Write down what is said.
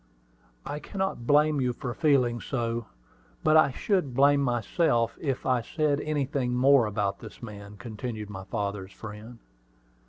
I cannot blame you for feeling so; but I should blame myself if I said anything more about this man," continued my father's friend.